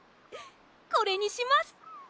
これにします！